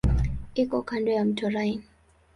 Iko kando ya mto Rhine.